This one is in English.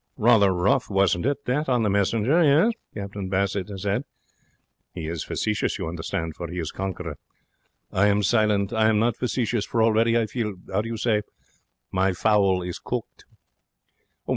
'Rather rough, wasn't it, that, on the messenger, yes,' Captain Bassett has said. He is facetious, you understand, for he is conqueror. I am silent. I am not facetious. For already I feel how do you say? my fowl is cooked.